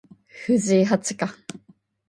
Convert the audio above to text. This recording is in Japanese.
藤井八冠